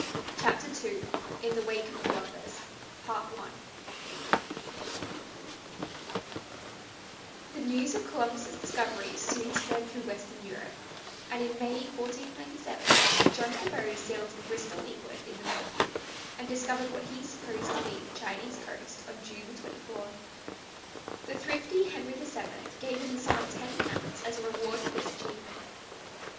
CHAPTER II IN THE WAKE OF COLUMBUS The news of Columbus's discoveries soon spread through western Europe, and in May, 1497, John Cabot sailed from Bristol, England, in the Matthew, and discovered what he supposed to be the Chinese coast on June 24. The thrifty Henry VII gave him the sum of £10 as a reward for this achievement.